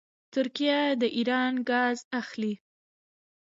ترکیه د ایران ګاز اخلي.